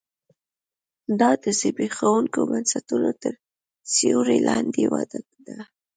دا د زبېښونکو بنسټونو تر سیوري لاندې وده ده